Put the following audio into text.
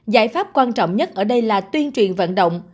giải pháp quan trọng nhất ở đây là tuyên truyền vận động